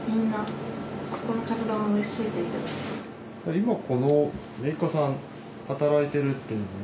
今この姪っ子さん働いてるっていうのは。